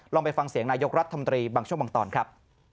ไปฟังเสียงนายกรัฐมนตรีบางช่วงบางตอนครับ